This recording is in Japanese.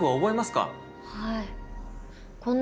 はい。